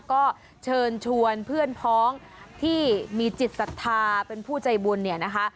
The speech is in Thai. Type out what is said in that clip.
ก็เชิญชวนเพื่อนพ้องที่มีจิตศรัทธาเป็นผู้ใจบุญเนี่ยนะคะ